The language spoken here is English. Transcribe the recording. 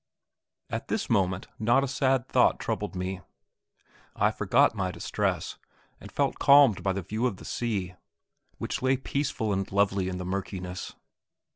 At this moment not a sad thought troubled me. I forgot my distress, and felt calmed by the view of the sea, which lay peaceful and lovely in the murkiness.